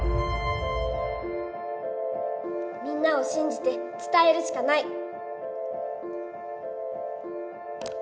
みんなをしんじて伝えるしかない！